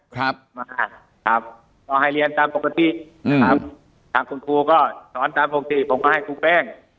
ก็ให้เรียนตามปกติทางคุณครูก็สอนตามปกติผมก็ให้ครูเป้ง